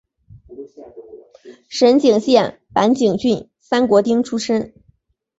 福井县坂井郡三国町出身。